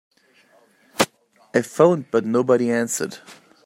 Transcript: I phoned but nobody answered.